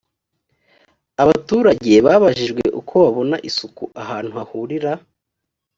abaturage babajijwe uko babona isuku ahantu hahurira